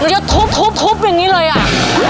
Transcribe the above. หนูก็ทุบอย่างนี้เลยอ่ะ